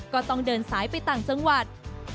ก็ต้องเดินสายไปต่างจังหวัด